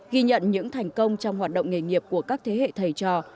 ghi nhận những thành công trong hoạt động nghề nghiệp của các thế hệ thầy trò